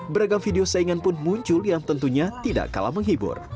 beragam video saingan pun muncul yang tentunya tidak kalah menghibur